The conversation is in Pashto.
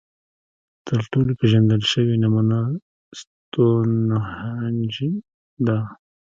تر ټولو پېژندل شوې نمونه ستونهنج ده.